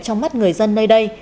trong mắt người dân nơi đây